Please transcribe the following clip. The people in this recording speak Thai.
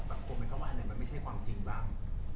สังคมให้เขาว่าอะไรมันไม่ใช่ความจริงบ้าง